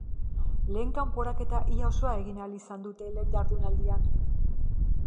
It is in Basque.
Lehen kanporaketa ia osoa egin ahal izan dute lehen jardunaldian.